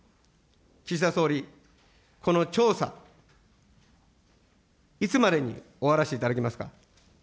岸田総理、この調査、いつまでに終わらせていただけますか。